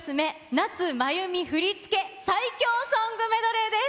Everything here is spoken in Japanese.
夏まゆみ振り付け、最強ソングメドレーです。